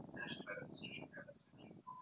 kutoka na kuikosoa vikali nchi hiyo